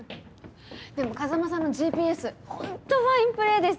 でも風真さんのＧＰＳホントファインプレーです。